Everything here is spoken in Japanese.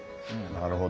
なるほど。